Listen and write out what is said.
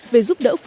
về giúp đỡ phụ nữ